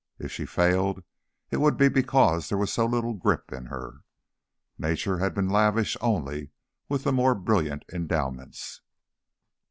If she failed, it would be because there was so little grip in her; Nature had been lavish only with the more brilliant endowments.